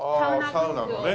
あサウナのね。